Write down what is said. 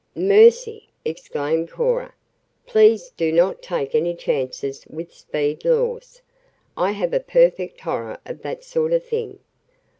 "Mercy!" exclaimed Cora. "Please do not take any chances with speed laws. I have a perfect horror of that sort of thing."